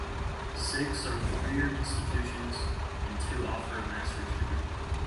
Six are four-year institutions, and two offer a master's degree.